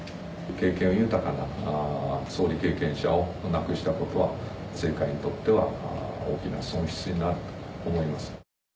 経験豊かな総理経験者を亡くしたことは、政界にとっては大きな損失になると思います。